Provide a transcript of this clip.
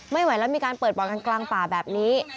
ไม่ไหวแล้วมีการเปิดบ่อนกันกลางป่าแบบนี้